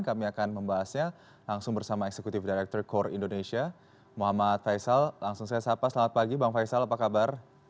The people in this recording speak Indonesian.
kami akan membahasnya langsung bersama eksekutif direktur kor indonesia muhammad faisal langsung saya sapa selamat pagi bang faisal apa kabar